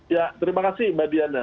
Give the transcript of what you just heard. ya terima kasih mbak diana